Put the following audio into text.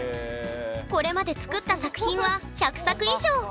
これまで作った作品は１００作以上！